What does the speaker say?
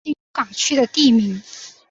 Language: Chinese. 爱宕是东京都港区的地名。